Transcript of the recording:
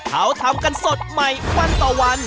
เขาทำกันสดใหม่วันต่อวัน